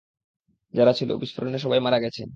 যারা ছিল, বিস্ফোরণে সবাই মারা গেছে।